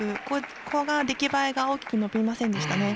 ここが出来栄え大きく伸びませんでした。